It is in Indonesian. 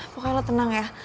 pokoknya lo tenang ya